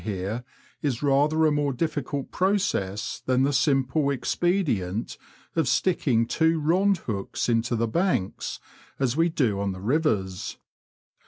here is rather a more diflBcult process than the simple expedient of sticking two rond hooks into the banks, as we do on the rivers.